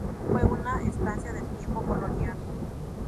Fue una estancia del tiempo colonial.